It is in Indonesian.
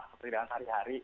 seperti hidangan sehari hari